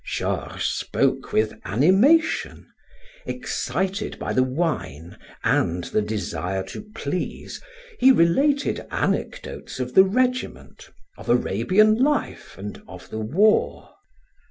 Georges spoke with animation; excited by the wine and the desire to please, he related anecdotes of the regiment, of Arabian life, and of the war.